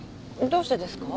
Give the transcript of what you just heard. どうしてですか？